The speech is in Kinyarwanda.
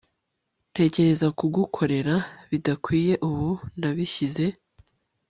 ntekereza kugukorera bidakwiye ubu nabishyize